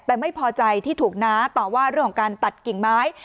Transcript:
แต่ไม่พอใจที่ถูกน้าต่อว่าเรื่องของการตัดกิ่งไม้